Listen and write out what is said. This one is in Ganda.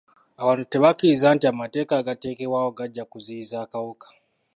Abantu tebakkiriza nti amateeka agaateekebwawo gajja kuziyiza akawuka.